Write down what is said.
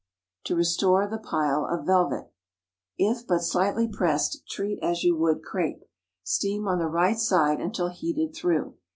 TO RESTORE THE PILE OF VELVET. If but slightly pressed, treat as you would crape. Steam on the right side until heated through.